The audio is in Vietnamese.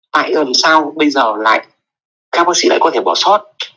tại sao bây giờ lại các bác sĩ lại có thể bỏ sót